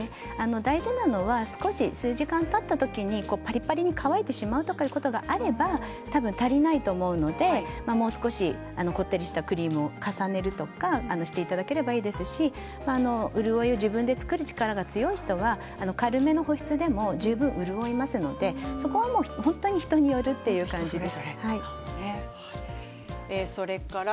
大事なのは少し時間がたった時にパリパリに乾いてしまうことがあれば足りないと思うのでもう少しこってりしたクリームを重ねるとかしていただければいいですし潤いを自分で作る力が強い人は軽めのものでも十分潤いますのでそれぞれ人によるという感じです。